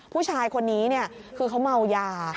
ผู้ชายคนนี้คือเขาเมายา